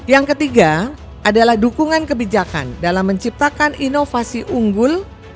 yang ketiga adalah dukungan kebijakan dalam menciptakan inovasi unggul